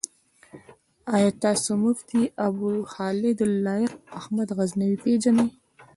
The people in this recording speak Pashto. آيا تاسو مفتي ابوخالد لائق احمد غزنوي پيژنئ؟